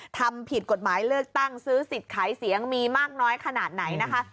ทำผิดกฎหมายเลือกตั้งซื้อสิทธิ์ขายเสียงมีมากน้อยขนาดไหนนะคะ